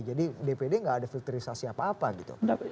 jadi dpd nggak ada filterisasi apa apa gitu